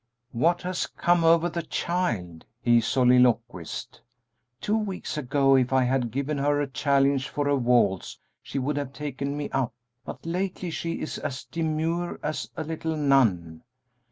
"What has come over the child?" he soliloquized; "two weeks ago if I had given her a challenge for a waltz she would have taken me up, but lately she is as demure as a little nun!